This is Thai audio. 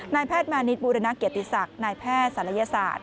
นายแพทย์มานิดบูรณเกียรติศักดิ์นายแพทย์ศัลยศาสตร์